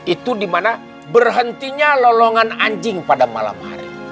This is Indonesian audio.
itu dimana berhentinya lolongan anjing pada malam hari